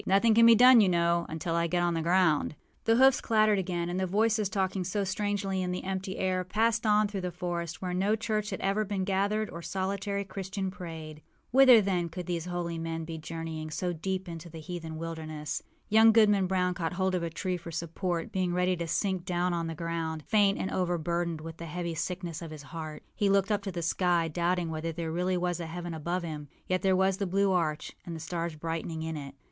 Nothing can be done, you know, until I get on the ground.â The hoofs clattered again; and the voices, talking so strangely in the empty air, passed on through the forest, where no church had ever been gathered or solitary Christian prayed. Whither, then, could these holy men be journeying so deep into the heathen wilderness? Young Goodman Brown caught hold of a tree for support, being ready to sink down on the ground, faint and overburdened with the heavy sickness of his heart. He looked up to the sky, doubting whether there really was a heaven above him. Yet there was the blue arch, and the stars brightening in it.